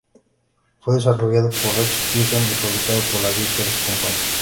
Fue desarrollado por Rex Pierson y fabricado por la Vickers Company.